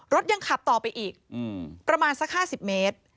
รถยังขับต่อไปอีกประมาณสัก๕๐เมตร